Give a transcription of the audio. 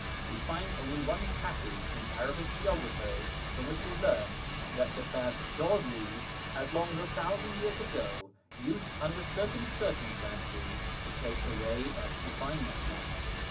We find only one passage in Arabic geographers from which we learn that the Baghdadlies, as long as a thousand years ago, used under certain circumstances to take the way of Sufayna.